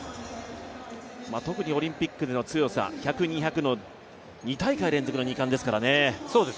特にオリンピックでの強さ、１００、２００の２大会連続の２冠ですからね。